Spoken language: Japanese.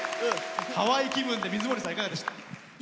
ハワイ気分で水森さん、いかがでした？